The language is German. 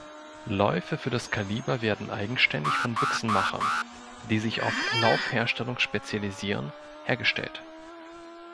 Läufe für das Kaliber werden eigenständig von Büchsenmachern, die sich auf Laufherstellung spezialisieren, hergestellt.